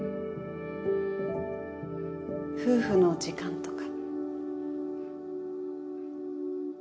夫婦の時間とか。